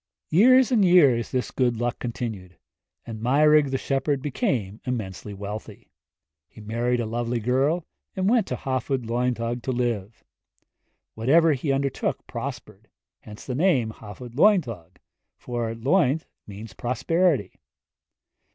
Years and years this good luck continued, and Meirig the shepherd became immensely wealthy. He married a lovely girl, and went to the Hafod Lwyddog to live. Whatever he undertook prospered hence the name Hafod Lwyddog, for Lwydd means prosperity.